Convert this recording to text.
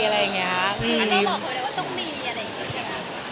แล้วก็บอกเขาเลยว่าต้องมีอะไรอย่างนี้ใช่ไหม